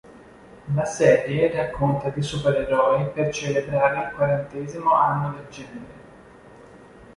La serie racconta di supereroi per celebrare il quarantesimo anno del genere.